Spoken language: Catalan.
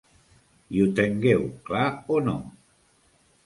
I ho tengueu clar o no